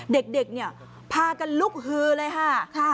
เด็กเนี่ยพากันลุกฮือเลยค่ะ